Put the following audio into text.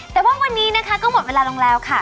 แต่ว่าวันนี้นะคะก็หมดเวลาลงแล้วค่ะ